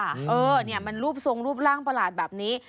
เออเนี่ยมันรูปทรงรูปร่างประหลาดแบบนี้